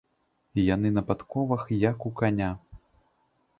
Яны на падковах, як у каня.